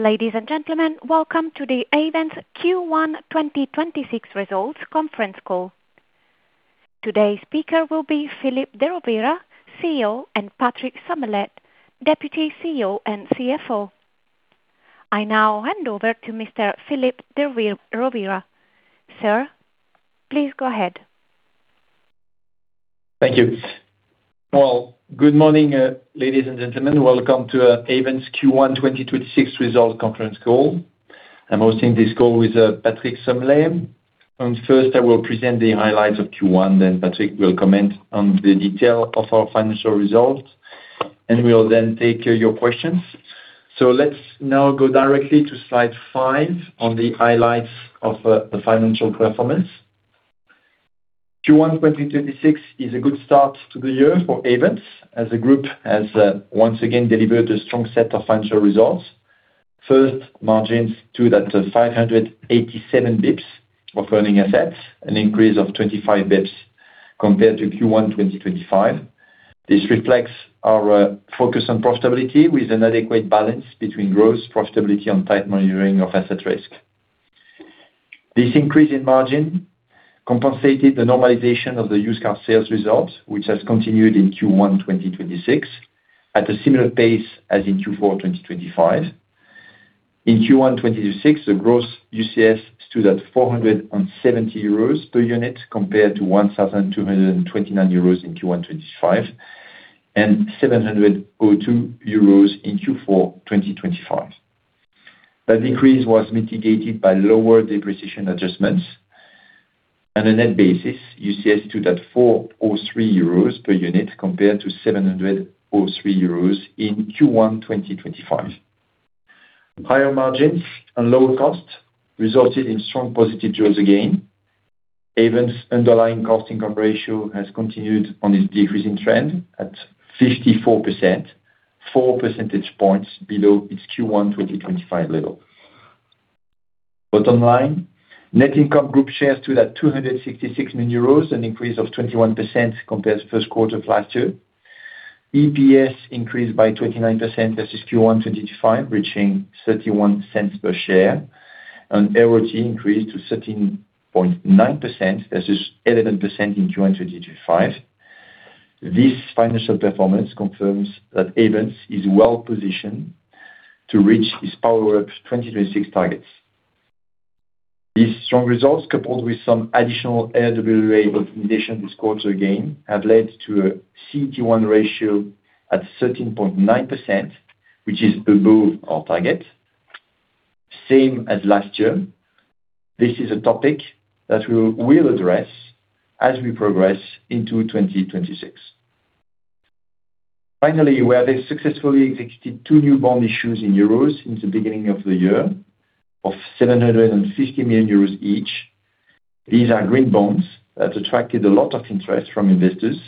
Ladies and gentlemen, welcome to the Ayvens Q1 2026 results conference call. Today's speaker will be Philippe de Rovira, CEO, and Patrick Sommelet, Deputy CEO and CFO. I now hand over to Mr. Philippe de Rovira. Sir, please go ahead. Thank you. Well, good morning, ladies and gentlemen. Welcome to Ayvens Q1 2026 result conference call. I'm hosting this call with Patrick Sommelet. First, I will present the highlights of Q1, then Patrick will comment on the detail of our financial results, we will then take your questions. Let's now go directly to slide five on the highlights of the financial performance. Q1 2026 is a good start to the year for Ayvens as the group has once again delivered a strong set of financial results. First, margins stood at 587 basis points of earning assets, an increase of 25 basis points compared to Q1 2025. This reflects our focus on profitability with an adequate balance between growth, profitability, and tight monitoring of asset risk. This increase in margin compensated the normalization of the used car sales results, which has continued in Q1 2026 at a similar pace as in Q4 2025. In Q1 2026, the gross UCS stood at 470 euros per unit compared to 1,229 euros in Q1 2025 and 702 euros in Q4 2025. That decrease was mitigated by lower depreciation adjustments. On a net basis, UCS stood at 403 euros per unit compared to 703 euros in Q1 2025. Higher margins and lower costs resulted in strong positive yields again. Ayvens underlying cost income ratio has continued on its decreasing trend at 54%, 4 percentage points below its Q1 2025 level. Bottom line, net income group shares stood at 266 million euros, an increase of 21% compared to first quarter of last year. EPS increased by 29% versus Q1 2025, reaching 0.31 per share. ROTE increased to 13.9% versus 11% in Q1 2025. This financial performance confirms that Ayvens is well-positioned to reach its Power of 2026 targets. These strong results, coupled with some additional RWA optimization this quarter again, have led to a CET1 ratio at 13.9%, which is above our target, same as last year. This is a topic that we will address as we progress into 2026. Finally, we have successfully executed two new bond issues in Euros since the beginning of the year of 750 million euros each. These are green bonds that attracted a lot of interest from investors.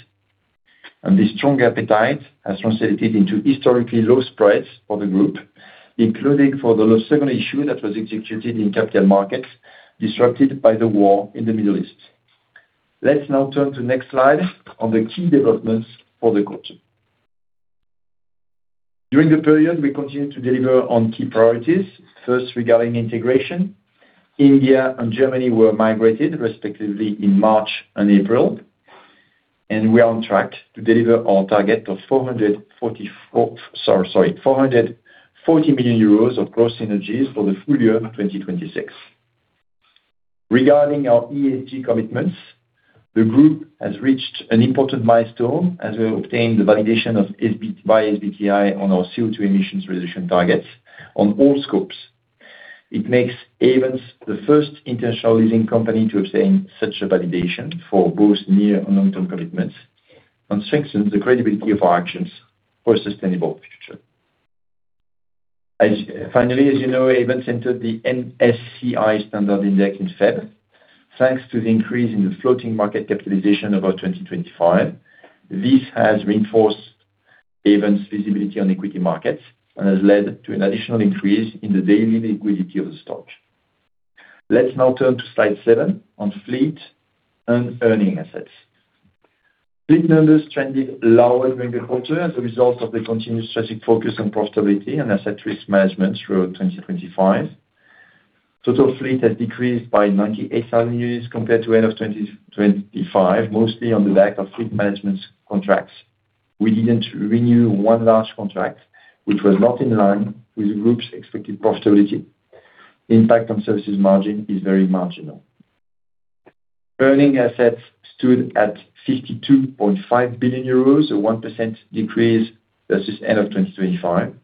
The strong appetite has translated into historically low spreads for the group, including for the second issue that was executed in capital markets disrupted by the war in the Middle East. Let's now turn to next slide on the key developments for the quarter. During the period, we continued to deliver on key priorities. First, regarding integration. India and Germany were migrated respectively in March and April. We are on track to deliver our target of 440 million euros of gross synergies for the full year of 2026. Regarding our ESG commitments, the group has reached an important milestone as we obtained the validation by SBTi on our CO2 emissions reduction targets on all scopes. It makes Ayvens the first international leasing company to obtain such a validation for both near and long-term commitments and strengthens the credibility of our actions for a sustainable future. Finally, as you know, Ayvens entered the MSCI Standard Index in February, thanks to the increase in the floating market capitalization about 2025. This has reinforced Ayvens' visibility on equity markets and has led to an additional increase in the daily liquidity of the stock. Let's now turn to slide seven on fleet and earning assets. Fleet numbers trended lower during the quarter as a result of the continuous strategic focus on profitability and asset risk management throughout 2025. Total fleet has decreased by 98,000 units compared to end of 2025, mostly on the back of fleet management contracts. We didn't renew one large contract which was not in line with the group's expected profitability. Impact on services margin is very marginal. Earning assets stood at 52.5 billion euros, a 1% decrease versus end of 2025.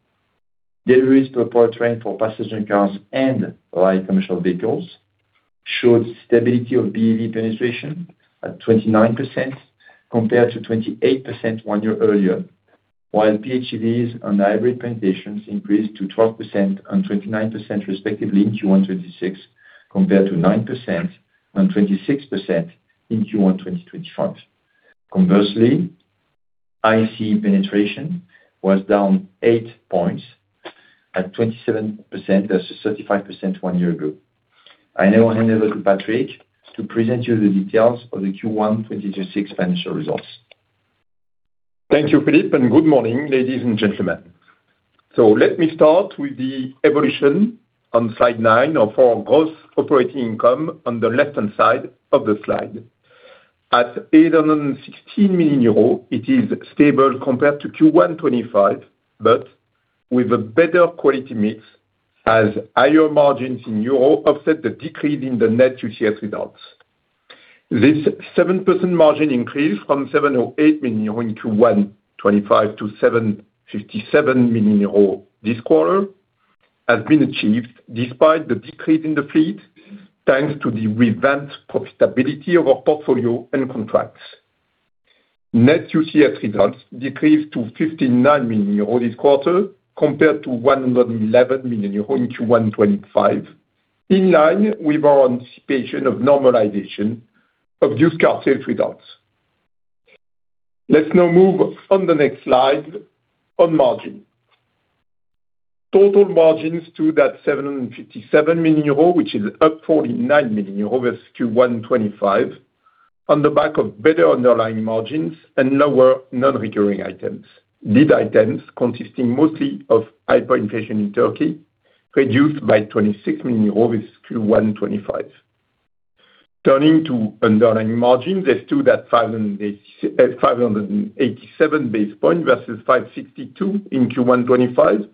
Deliveries per powertrain for passenger cars and light commercial vehicles showed stability of BEV penetration at 29% compared to 28% one year earlier. While PHEVs and hybrid penetrations increased to 12% and 29% respectively in Q1 2026, compared to 9% and 26% in Q1 2025. Conversely, ICE penetration was down 8 points at 27% versus 35% one year ago. I now hand over to Patrick to present you the details of the Q1 2026 financial results. Thank you, Philippe, and good morning, ladies and gentlemen. Let me start with the evolution on slide nine of our gross operating income on the left-hand side of the slide. At 816 million euros, it is stable compared to Q1 2025, but with a better quality mix as higher margins in euro offset the decrease in the net UCS results. This 7% margin increase from 708 million euro in Q1 2025 to 757 million euro this quarter has been achieved despite the decrease in the fleet, thanks to the revamped profitability of our portfolio and contracts. Net UCS results decreased to 59 million euro this quarter, compared to 111 million euro in Q1 2025, in line with our anticipation of normalization of used car sales results. Let's now move on the next slide on margin. Total margins to that 757 million euros, which is up 49 million euros versus Q1 2025 on the back of better underlying margins and lower non-recurring items. These items consisting mostly of hyperinflation in Turkey, reduced by 26 million euros versus Q1 2025. Turning to underlying margin, they stood at 587 basis point versus 562 in Q1 2025,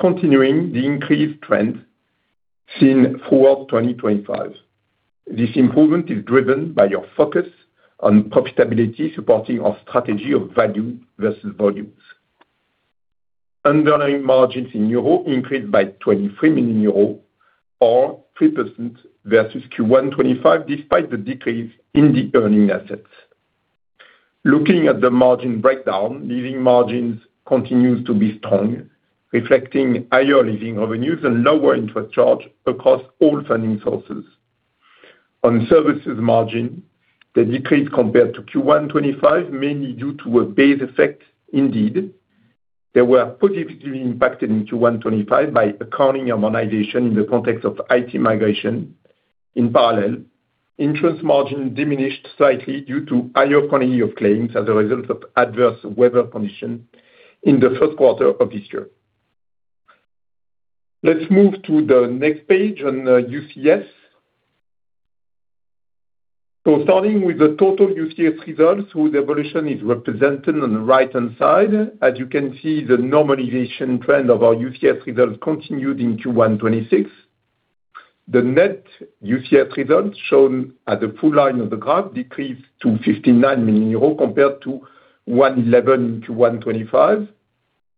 continuing the increased trend seen throughout 2025. This improvement is driven by our focus on profitability, supporting our strategy of value versus volumes. Underlying margins in EUR increased by 23 million euro or 3% versus Q1 2025, despite the decrease in the earning assets. Looking at the margin breakdown, leasing margins continues to be strong, reflecting higher leasing revenues and lower interest charge across all funding sources. On services margin, the decrease compared to Q1 2025, mainly due to a base effect. Indeed, they were positively impacted in Q1 2025 by accounting harmonization in the context of IT migration. In parallel, interest margin diminished slightly due to higher frequency of claims as a result of adverse weather condition in the first quarter of this year. Let's move to the next page on UCS. Starting with the total UCS results, whose evolution is represented on the right-hand side. As you can see, the normalization trend of our UCS results continued in Q1 2026. The net UCS results, shown at the full line of the graph, decreased to 59 million euro compared to 111 in Q1 2025.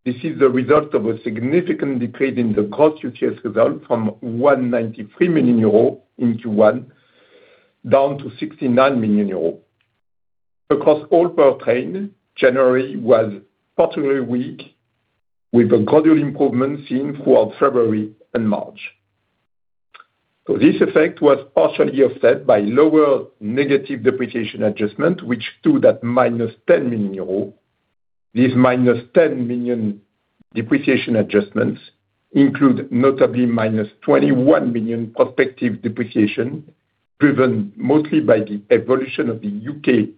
This is the result of a significant decrease in the gross UCS result from 193 million euro in Q1 down to 69 million euro. Across all per train, January was particularly weak with a gradual improvement seen throughout February and March. This effect was partially offset by lower negative depreciation adjustment, which stood at minus 10 million euro. This minus 10 million depreciation adjustments include notably minus 21 million prospective depreciation, driven mostly by the evolution of the U.K.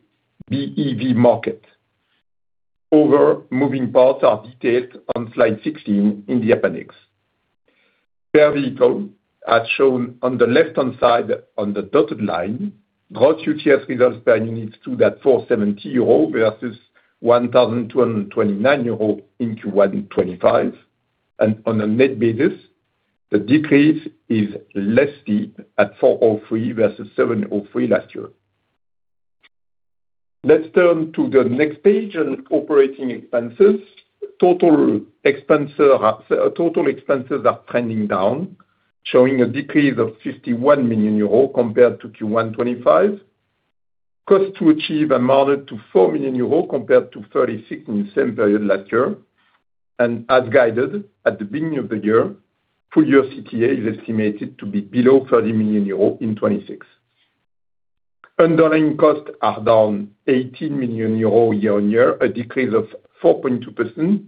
BEV market. Other moving parts are detailed on slide 16 in the appendix. Per vehicle, as shown on the left-hand side on the dotted line, gross UCS results per unit stood at 470 euro versus 1,229 euro in Q1 2025. On a net basis, the decrease is less steep at 403 versus 703 last year. Let's turn to the next page on operating expenses. Total expenses are trending down, showing a decrease of 51 million euros compared to Q1 2025. Cost to achieve are moderate to 4 million euros compared to 36 million in the same period last year. As guided at the beginning of the year, full year CTA is estimated to be below 30 million euros in 2026. Underlying costs are down 18 million euros year-on-year, a decrease of 4.2%,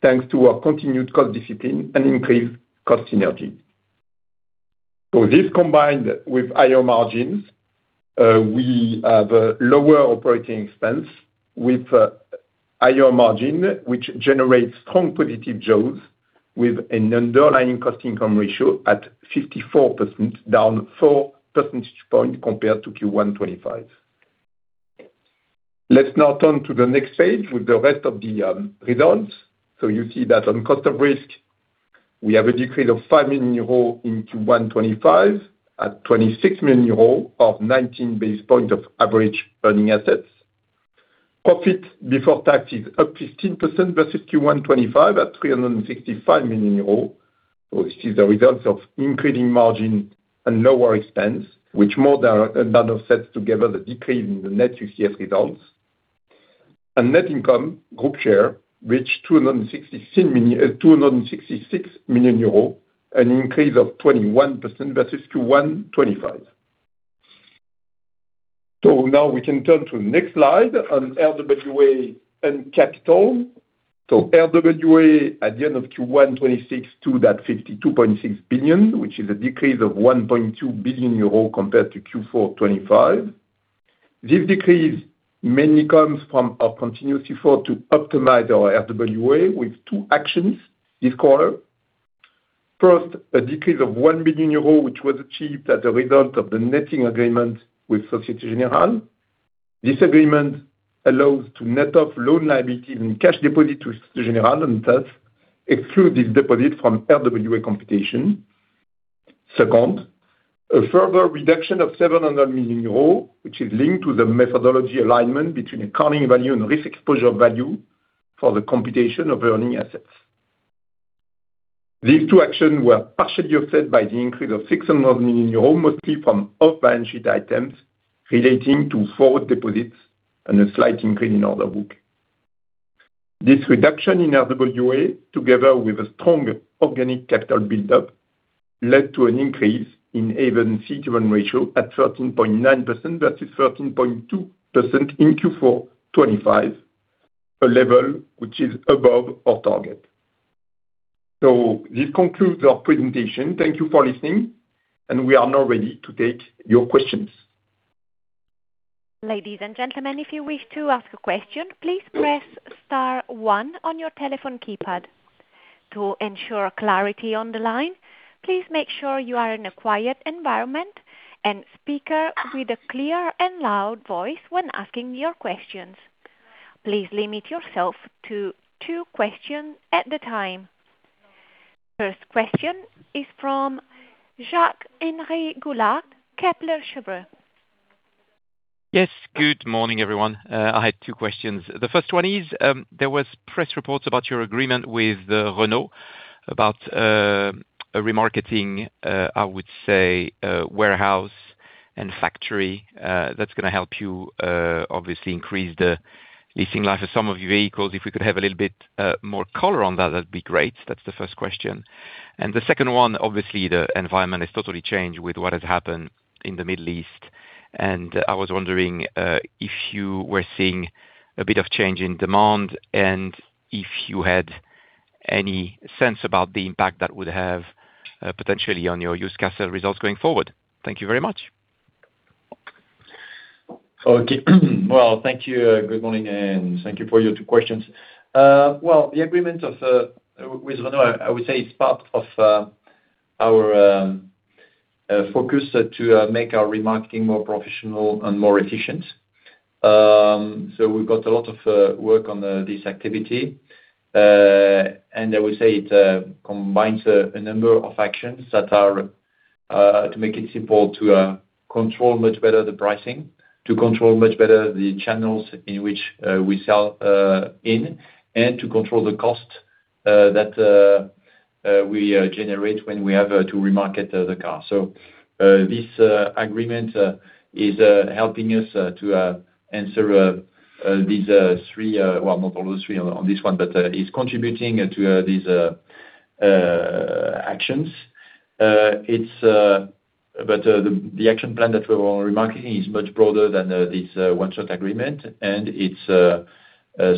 thanks to our continued cost discipline and increased cost synergy. This combined with higher margins, we have a lower operating expense with higher margin, which generates strong positive jaws, with an underlying cost income ratio at 54%, down 4 percentage point compared to Q1 2025. Let's now turn to the next page with the rest of the results. You see that on cost of risk, we have a decrease of 5 million euro in Q1 2025 at 26 million euro of 19 basis points of average earning assets. Profit before tax is up 15% versus Q1 2025 at 365 million euros. This is the results of increasing margin and lower expense, which more than offsets together the decrease in the net UCS results. Net income group share reached 266 million euros, an increase of 21% versus Q1 2025. Now we can turn to the next slide on RWA and capital. RWA at the end of Q1 2026 to that 52.6 billion, which is a decrease of 1.2 billion euro compared to Q4 2025. This decrease mainly comes from our continuous effort to optimize our RWA with two actions this quarter. First, a decrease of 1 billion euros, which was achieved as a result of the netting agreement with Société Générale. This agreement allows to net off loan liability and cash deposit to Société Générale and thus exclude this deposit from RWA computation. Second, a further reduction of 700 million euros, which is linked to the methodology alignment between accounting value and risk exposure value for the computation of earning assets. These two actions were partially offset by the increase of 600 million euros, mostly from off-balance-sheet items relating to forward deposits and a slight increase in order book. This reduction in RWA, together with a strong organic capital buildup, led to an increase in Ayvens' tier one ratio at 13.9% versus 13.2% in Q4 2025, a level which is above our target. This concludes our presentation. Thank you for listening, and we are now ready to take your questions. Ladies and gentlemen, if you wish to ask a question, please press star one on your telephone keypad. To ensure clarity on the line, please make sure you are in a quiet environment and speak with a clear and loud voice when asking your questions. Please limit yourself to two questions at the time. First question is from Jacques-Henri Gaulard, Kepler Cheuvreux. Yes. Good morning, everyone. I had two questions. The first one is, there was press reports about your agreement with Renault about a remarketing, I would say, a warehouse and factory, that's gonna help you, obviously, increase the leasing life of some of your vehicles. If we could have a little bit more color on that'd be great. That's the first question. The second one, obviously, the environment has totally changed with what has happened in the Middle East. I was wondering if you were seeing a bit of change in demand and if you had any sense about the impact that would have, potentially on your used car sales results going forward. Thank you very much. Okay. Well, thank you. Good morning, and thank you for your two questions. Well, the agreement with Renault, I would say it's part of our focus to make our remarketing more professional and more efficient. We've got a lot of work on this activity. I would say it combines a number of actions that are to make it simple to control much better the pricing, to control much better the channels in which we sell in, and to control the cost that we generate when we have to remarket the car. This agreement is helping us to answer these three, well, not all of those three on this one, but is contributing to these actions. The action plan that we're remarketing is much broader than this one short agreement, and it's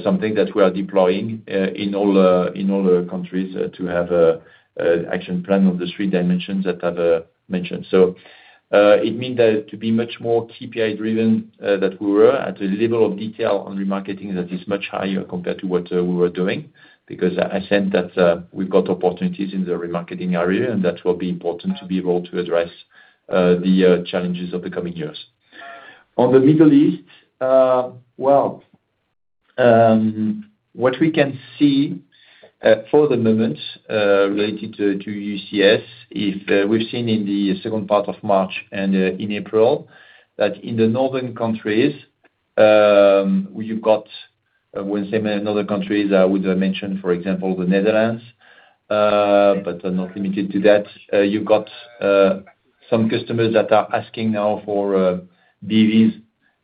something that we are deploying in all countries to have an action plan of the three dimensions that I've mentioned. It means that to be much more KPI-driven that we were at a level of detail on remarketing that is much higher compared to what we were doing. I sense that we've got opportunities in the remarketing area, and that will be important to be able to address the challenges of the coming years. On the Middle East, what we can see for the moment related to UCS, is we've seen in the second part of March and in April, that in the northern countries, we've got, when saying northern countries, I would mention, for example, the Netherlands, but not limited to that. You've got some customers that are asking now for BEVs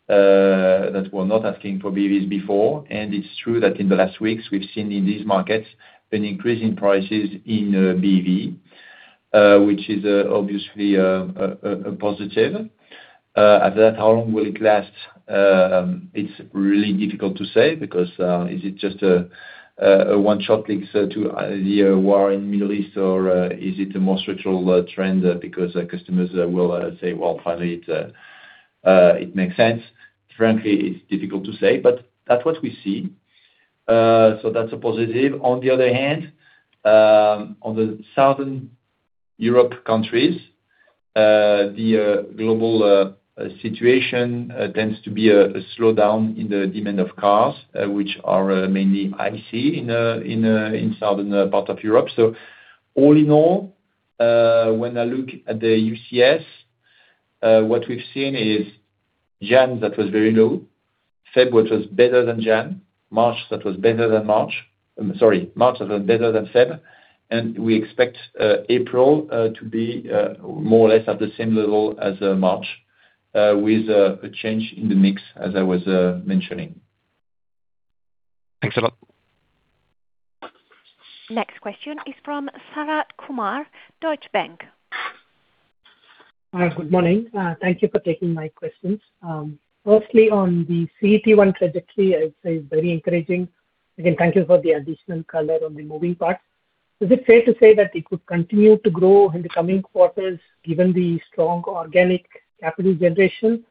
that were not asking for BEVs before. It's true that in the last weeks we've seen in these markets an increase in prices in BEV, which is obviously a positive. As at how long will it last? It's really difficult to say because is it just a one-shot link to the war in Middle East or is it a more structural trend because customers will say, "Well, finally it makes sense." Frankly, it's difficult to say, that's what we see. That's a positive. On the other hand, on the Southern Europe countries, the global situation tends to be a slowdown in the demand of cars, which are mainly IC in southern part of Europe. All in all, when I look at the UCS, what we've seen is January, that was very low, February, which was better than January, March, that was better than March. Sorry, March was better than February. We expect April to be more or less at the same level as March, with a change in the mix as I was mentioning. Thanks a lot. Next question is from Sharath Kumar, Deutsche Bank. Good morning. Thank you for taking my questions. Firstly, on the CET1 trajectory, I'd say very encouraging. Again, thank you for the additional color on the moving parts. Is it fair to say that it could continue to grow in the coming quarters given the strong organic capital generation?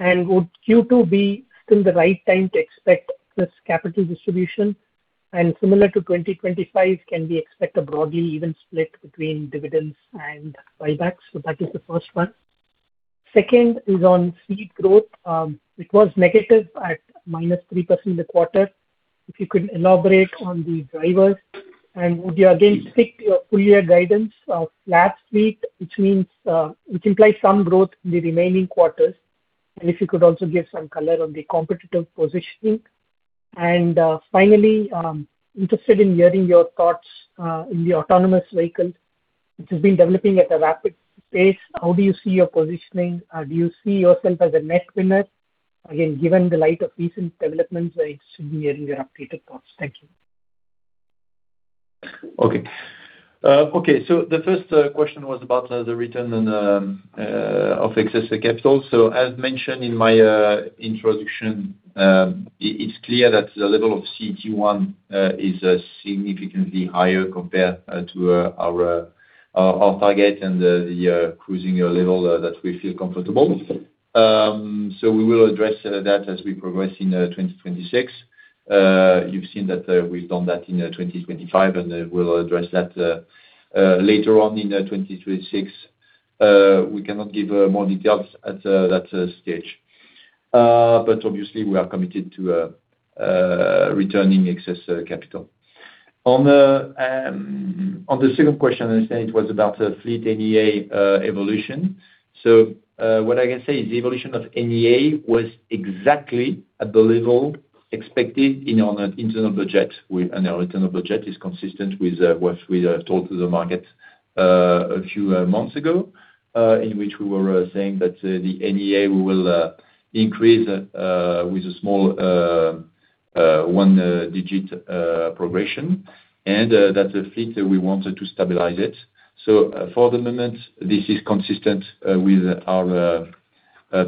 Would Q2 be still the right time to expect this capital distribution? Similar to 2025, can we expect a broadly even split between dividends and buybacks? That is the first one. Second is on fleet growth. It was negative at -3% in the quarter. If you could elaborate on the drivers. Would you again stick to your full year guidance of last week, which means, which implies some growth in the remaining quarters? If you could also give some color on the competitive positioning. Finally, interested in hearing your thoughts, in the autonomous vehicle, which has been developing at a rapid pace. How do you see your positioning? Do you see yourself as a net winner? Again, given the light of recent developments, it's hearing your updated thoughts. Thank you. Okay. Okay. The first question was about the return of excess capital. As mentioned in my introduction, it's clear that the level of CET1 is significantly higher compared to our target and the cruising level that we feel comfortable. We will address that as we progress in 2026. You've seen that we've done that in 2025, and we'll address that later on in 2026. We cannot give more details at that stage. Obviously, we are committed to returning excess capital. On the second question, I understand it was about the fleet NEA evolution. What I can say is the evolution of NEA was exactly at the level expected in our internal budget. Our internal budget is consistent with what we told to the market a few months ago, in which we were saying that the NEA will increase with a small one digit progression, and that the fleet we wanted to stabilize it. For the moment, this is consistent with our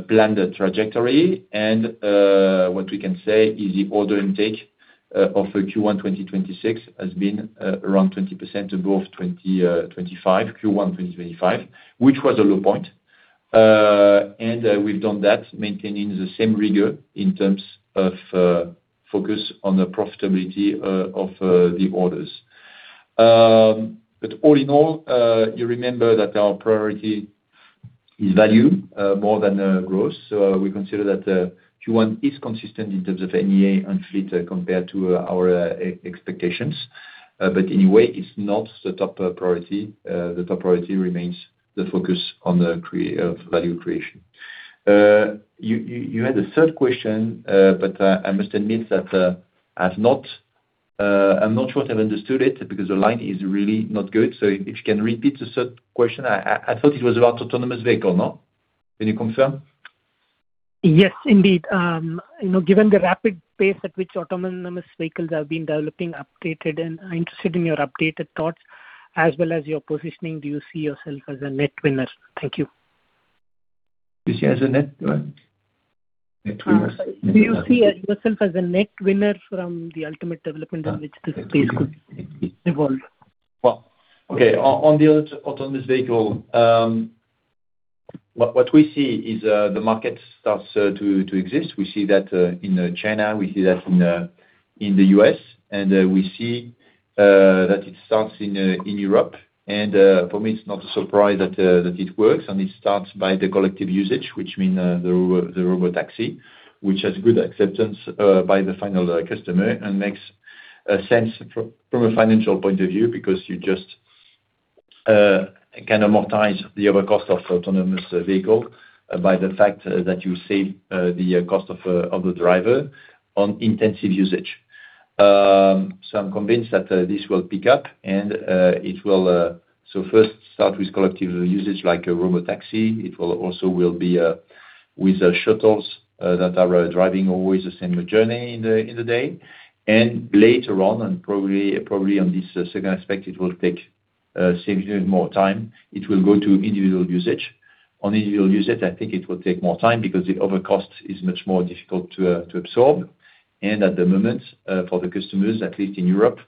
planned trajectory. What we can say is the order intake of Q1 2026 has been around 20% above 2025, Q1 2025, which was a low point. We've done that maintaining the same rigor in terms of focus on the profitability of the orders. All in all, you remember that our priority is value, more than growth. We consider that Q1 is consistent in terms of NEA and fleet, compared to our expectations. Anyway, it's not the top priority. The top priority remains the focus on the creation of value creation. You had a third question, I must admit that I'm not sure I've understood it because the line is really not good. If you can repeat the third question. I thought it was about autonomous vehicle, no? Can you confirm? Yes, indeed. You know, given the rapid pace at which autonomous vehicles have been developing and I'm interested in your updated thoughts as well as your positioning. Do you see yourself as a net winner? Thank you. Do you see as a net what? Net winner. Do you see yourself as a net winner from the ultimate development in which this space could evolve? Well, okay. On the autonomous vehicle, what we see is the market starts to exist. We see that in China, we see that in the U.S., we see that it starts in Europe. For me, it's not a surprise that it works, and it starts by the collective usage, which mean the robotaxi, which has good acceptance by the final customer and makes sense from a financial point of view because you just can amortize the other cost of autonomous vehicle by the fact that you save the cost of the driver on intensive usage. I'm convinced that this will pick up. First start with collective usage like a robotaxi. It will also be with shuttles that are driving always the same journey in the day. Later on, and probably on this second aspect, it will take significantly more time. It will go to individual usage. On individual usage, I think it will take more time because the other cost is much more difficult to absorb. At the moment, for the customers, at least in Europe,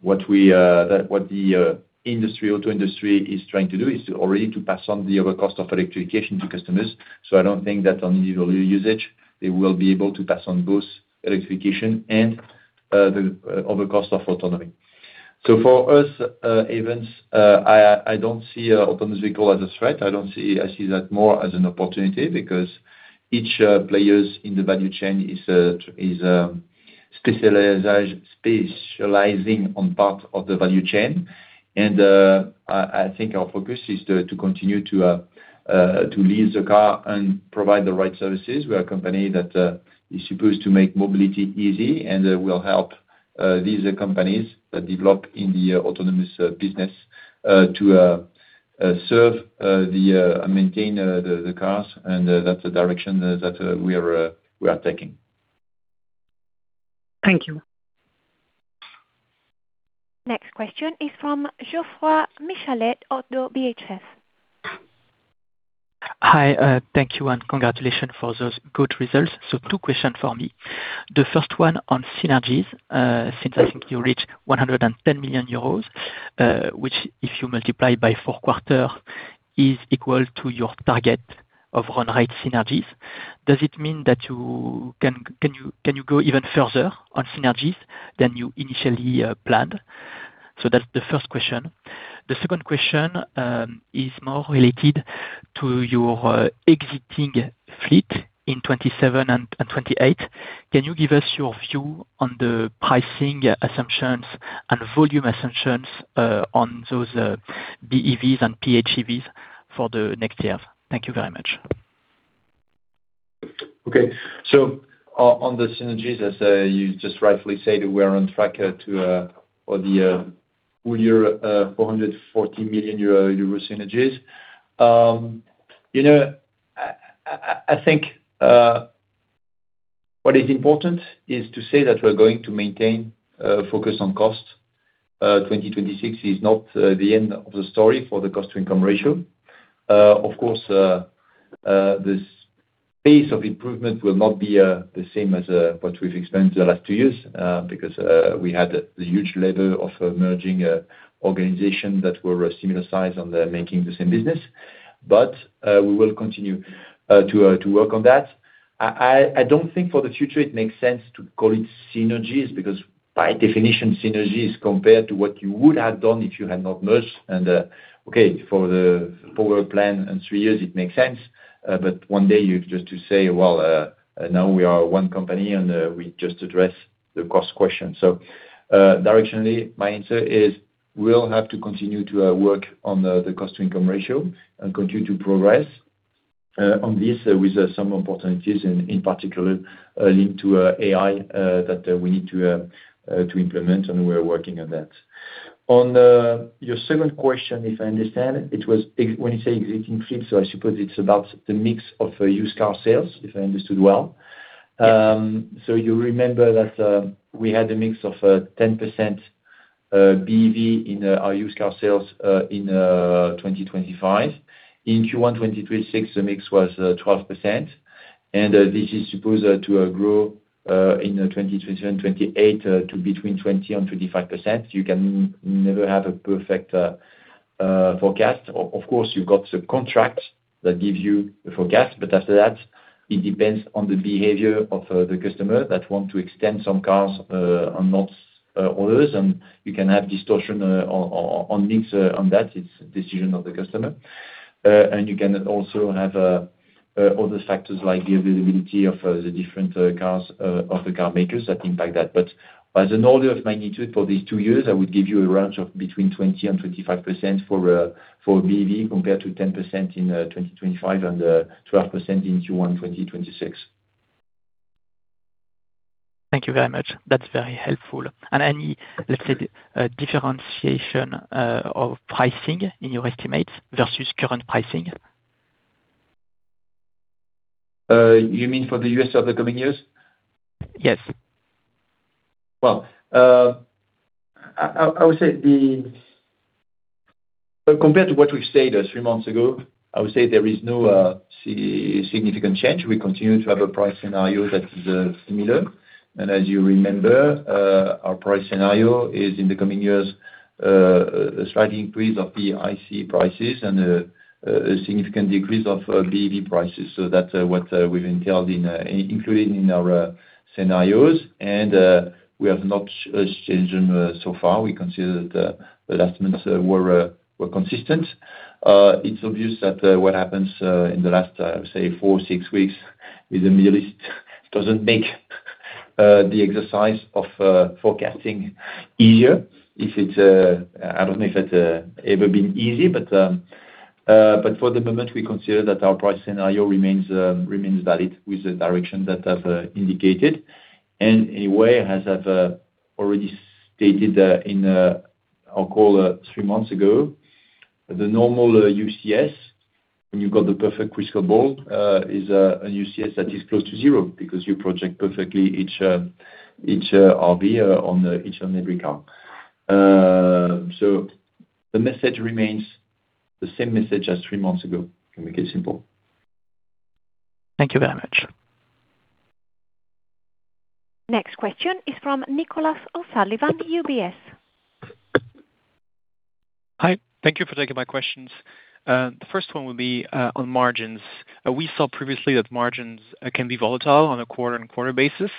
what the industry, auto industry is trying to do is to already to pass on the other cost of electrification to customers. I don't think that on individual usage, they will be able to pass on both electrification and the other cost of autonomy. For us, Ayvens, I don't see autonomous vehicle as a threat. I see that more as an opportunity because each players in the value chain is specializing on part of the value chain. I think our focus is to continue to lease a car and provide the right services. We are a company that is supposed to make mobility easy, we'll help these companies that develop in the autonomous business to serve, maintain the cars. That's the direction that we are taking. Thank you. Next question is from Geoffroy Michelet of ODDO BHF. Hi. Thank you and congratulations for those good results. Two questions for me. The first one on synergies, since I think you reached 110 million euros, which if you multiply by four quarters, is equal to your target of run rate synergies. Does it mean that can you go even further on synergies than you initially planned? That's the first question. The second question is more related to your exiting fleet in 2027 and 2028. Can you give us your view on the pricing assumptions and volume assumptions on those BEVs and PHEVs for the next year? Thank you very much. On the synergies, as you just rightfully said, we are on track for the full year 440 million euro synergies. You know, I think what is important is to say that we're going to maintain focus on cost. 2026 is not the end of the story for the cost to income ratio. Of course, this pace of improvement will not be the same as what we've experienced the last two years, because we had the huge level of merging organizations that were a similar size on the making the same business. We will continue to work on that. I don't think for the future it makes sense to call it synergies, because by definition synergies compared to what you would have done if you had not merged, okay, for the forward plan in three years it makes sense. One day you've just to say, "Well, now we are one company, and we just address the cost question." Directionally, my answer is we'll have to continue to work on the cost to income ratio and continue to progress on this with some important issues in particular linked to AI that we need to implement, and we're working on that. On your second question, if I understand, it was. When you say exiting fleet, I suppose it's about the mix of used car sales, if I understood well. You remember that we had a mix of 10% BEV in our used car sales in 2025. In Q1 2026, the mix was 12%. This is supposed to grow in 2027 and 2028 to between 20% and 25%. You can never have a perfect forecast. Of course, you've got the contract that gives you the forecast, but after that, it depends on the behavior of the customer that want to extend some cars and not others. You can have distortion on mix on that. It's decision of the customer. You can also have other factors like the availability of the different cars of the car makers that impact that. As an order of magnitude for these two years, I would give you a range of between 20% and 25% for BEV, compared to 10% in 2025 and 12% in Q1 2026. Thank you very much. That's very helpful. Any, let's say, differentiation of pricing in your estimates versus current pricing? You mean for the U.S. over the coming years? Yes. Well, I would say, compared to what we've said three months ago, I would say there is no significant change. We continue to have a price scenario that is similar. As you remember, our price scenario is in the coming years, a slight increase of the IC prices and a significant decrease of BEV prices. That's what we've entailed in, included in our scenarios. We have not changed them so far. We consider that the last months were consistent. It's obvious that what happens in the last, say four, six weeks with the Middle East doesn't make the exercise of forecasting easier. I don't know if it's ever been easy. For the moment, we consider that our price scenario remains valid with the direction that I've indicated. Anyway, as I've already stated in our call three months ago, the normal UCS, when you've got the perfect crystal ball, is a UCS that is close to zero because you project perfectly each RV on each and every car. The message remains the same message as three months ago. Let me make it simple. Thank you very much. Next question is from Nicholas O'Sullivan, UBS. Hi. Thank you for taking my questions. The first one will be on margins. We saw previously that margins can be volatile on a quarter-on-quarter basis.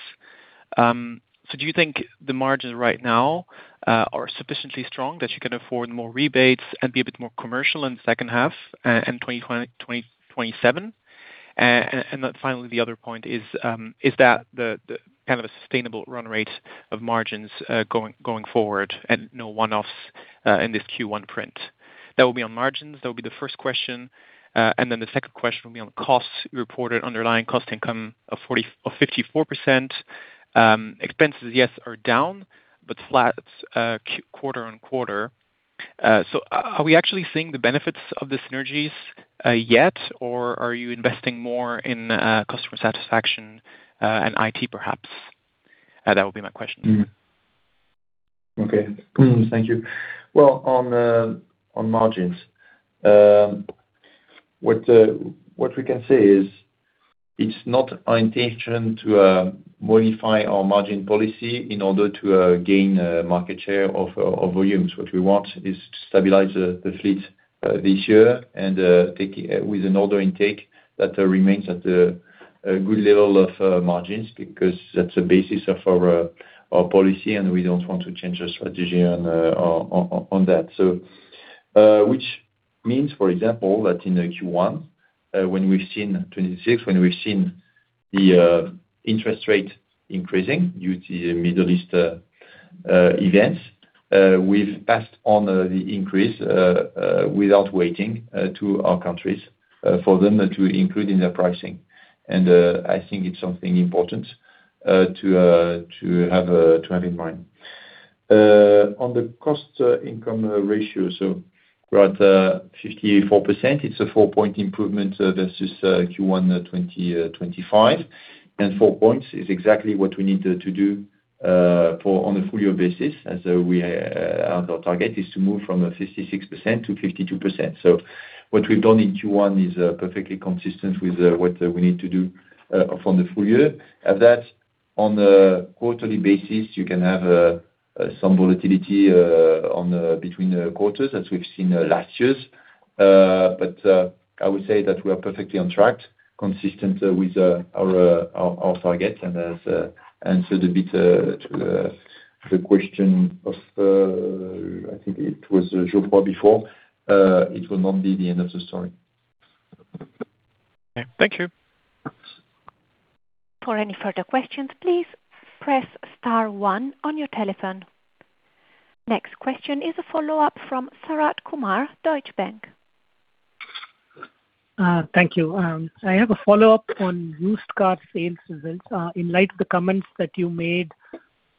Do you think the margins right now are sufficiently strong that you can afford more rebates and be a bit more commercial in the second half in 2027? Finally, the other point is that the kind of a sustainable run rate of margins going forward and no one-offs in this Q1 print? That will be on margins. That will be the first question. The second question will be on costs. You reported underlying cost income of 54%. Expenses, yes, are down, but flat, quarter-on-quarter. Are we actually seeing the benefits of the synergies yet or are you investing more in customer satisfaction and IT perhaps? That would be my question. Okay. Thank you. On margins. What we can say is it's not our intention to modify our margin policy in order to gain market share of volumes. What we want is to stabilize the fleet this year with an order intake that remains at a good level of margins because that's the basis of our policy, and we don't want to change our strategy on that. Which means, for example, that in the Q1, when we've seen the interest rate increasing due to Middle East events, we've passed on the increase without waiting to our countries for them to include in their pricing. I think it's something important to have to have in mind. On the cost income ratio, we're at 54%. It's a 4-point improvement versus Q1 2025. 4 points is exactly what we need to do for on a full year basis as we, our target is to move from a 56% to 52%. What we've done in Q1 is perfectly consistent with what we need to do from the full year. At that, on a quarterly basis, you can have some volatility on between quarters as we've seen last years. I would say that we are perfectly on track, consistent with our, our target and has answered a bit to the question of I think it was Joe Paul before. It will not be the end of the story. Okay. Thank you. For any further questions, please press star one on your telephone. Next question is a follow-up from Sharath Kumar, Deutsche Bank. Thank you. I have a follow-up on used car sales results in light of the comments that you made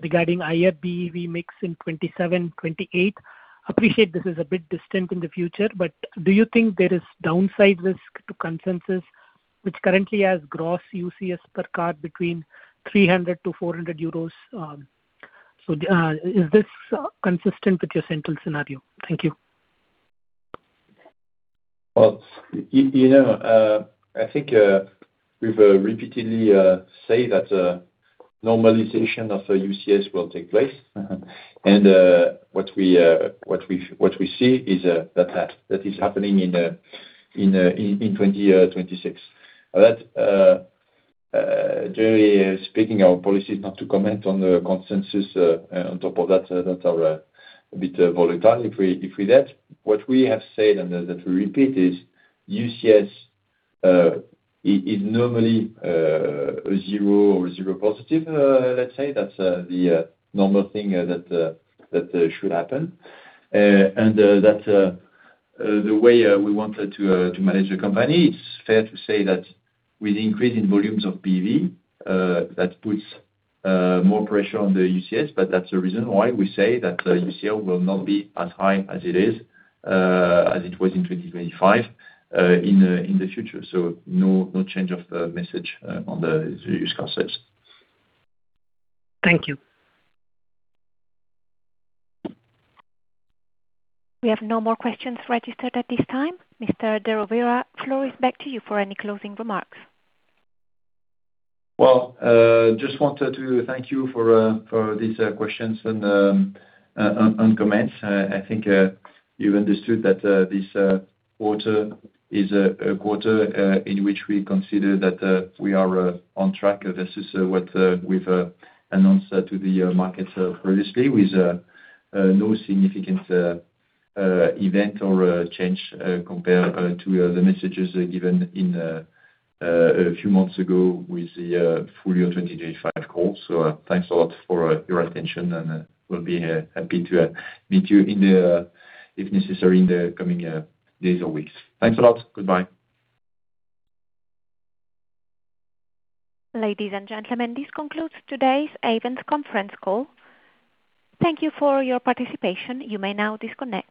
regarding BEV mix in 2027, 2028. Appreciate this is a bit distant in the future, but do you think there is downside risk to consensus, which currently has gross UCS per car between 300-400 euros? Is this consistent with your central scenario? Thank you. Well, you know, I think, we've repeatedly, say that, normalization of the UCS will take place. What we see is that is happening in 2026. That's generally speaking, our policy is not to comment on the consensus, on top of that are a bit volatile if we did. What we have said and that we repeat is UCS is normally 0 or 0+, let's say. That's the normal thing that should happen. That's the way we wanted to manage the company. It's fair to say that with increasing volumes of BEV, that puts more pressure on the UCS, but that's the reason why we say that UCS will not be as high as it is, as it was in 2025, in the future. No, no change of message on the used car sales. Thank you. We have no more questions registered at this time. Mr. de Rovira, floor is back to you for any closing remarks. Just wanted to thank you for these questions and on comments. I think you understood that this quarter is a quarter in which we consider that we are on track versus what we've announced to the market previously with no significant event or change compared to the messages given in a few months ago with the full year 2025 call. Thanks a lot for your attention, and we'll be happy to meet you in the if necessary, in the coming days or weeks. Thanks a lot. Goodbye. Ladies and gentlemen, this concludes today's Ayvens conference call. Thank you for your participation. You may now disconnect.